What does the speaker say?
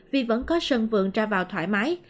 vì vẫn có sân vườn ra vào thoải mái